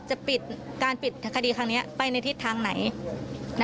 จะปิดการปิดคดีครั้งนี้ไปในทิศทางไหน